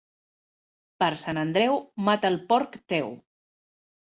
Per Sant Andreu mata el porc teu.